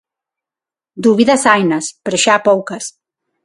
Dúbidas hainas, pero xa poucas.